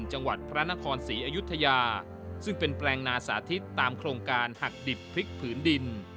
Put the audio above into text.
จังหวัดพระนครศรีอยุธยาซึ่งเป็นแปลงนาสาธิตตามโครงการหักดิบพริกผืนดิน